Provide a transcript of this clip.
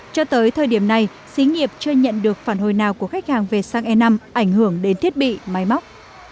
cho tới thời điểm này xí nghiệp chưa nhận được phản hồi nào của khách hàng về sang e năm ảnh hưởng đến thiết bị máy móc